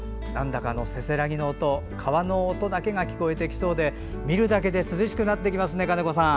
せせらぎの音川の音だけが聞こえてきそうで見るだけで涼しくなってきますね金子さん。